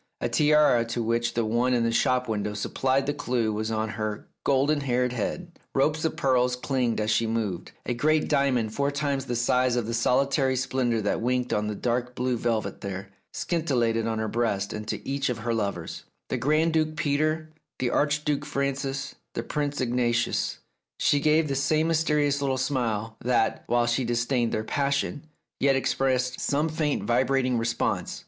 A tiara to which the one in the shop window sup plied the clue was on her golden haired head, ropes of pearls clinked as she moved, a great diamond four times the size of the solitary splendour that winked on the dark blue velvet there, scintillated on her breast, and to each of her lovers, the Grand Duke Peter, the Archduke Francis, the Prince Ignatius, she gave the same mysterious little smile, that, while she disdained their passion, yet expressed some faint vibrating response.